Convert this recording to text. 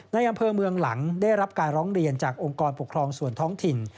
ในอำเภอเมืองหลังได้รับการร้องเรียนจากองค์กรปกครองส่วนท้องถิ่น